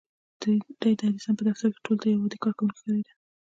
دی د ايډېسن په دفتر کې ټولو ته يو عادي کارکوونکی ښکارېده.